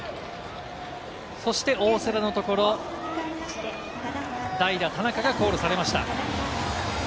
そして大瀬良のところ、代打・田中がコールされました。